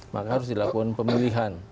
maka harus dilakukan pemilihan